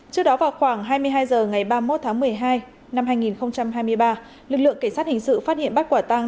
trước đó vào khoảng hai mươi hai h ngày ba mươi một tháng một mươi hai năm hai nghìn hai mươi ba lực lượng cảnh sát hình sự phát hiện bắt quả tăng